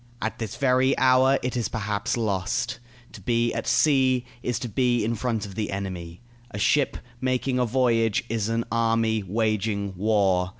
At this very hour it is perhaps lost. To be at sea is to be in front of the enemy. A ship making a voyage is an army waging war.